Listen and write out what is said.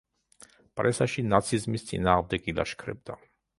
პრესაში ნაციზმის წინააღმდეგ ილაშქრებდა.